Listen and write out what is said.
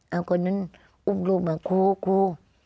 เอาคนนั้นอุ้มลูกมาครูครู